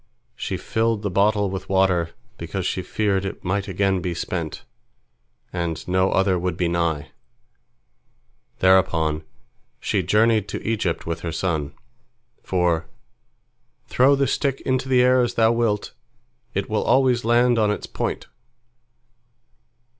She filled the bottle with water, because she feared it might again be spent, and no other would be nigh. Thereupon she journeyed to Egypt with her son, for "Throw the stick into the air as thou wilt, it will always land on its point."